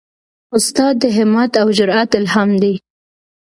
استاد د همت او جرئت الهام دی.